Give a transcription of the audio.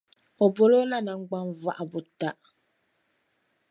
O boli o lala naŋgbanvɔya buta.